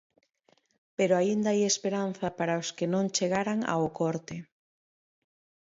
Pero aínda hai esperanza para os que non chegaran ao corte.